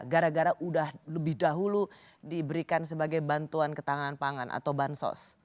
gara gara udah lebih dahulu diberikan sebagai bantuan ketahanan pangan atau bansos